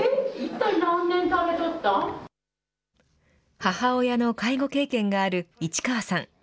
母親の介護経験がある市川さん。